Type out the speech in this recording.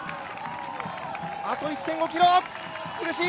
あと１．５ｋｍ、苦しい！